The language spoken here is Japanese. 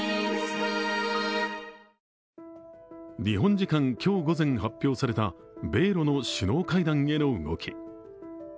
日本時間今日午前発表された、米ロの首脳会談への動き。